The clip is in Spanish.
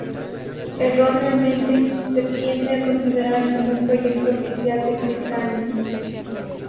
Erróneamente, se tiende a considerar como un proyecto oficial de Tristania.